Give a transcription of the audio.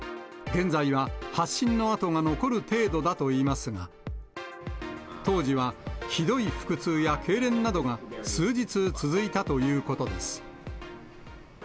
現在は発疹の痕が残る程度だといいますが、当時はひどい腹痛やけいれんなどが数日続いたということです。